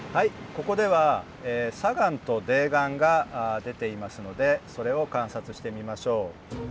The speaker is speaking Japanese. ここでは砂岩と泥岩が出ていますのでそれを観察してみましょう。